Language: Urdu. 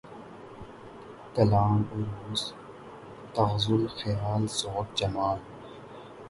کلام ، عَرُوض ، تغزل ، خیال ، ذوق ، جمال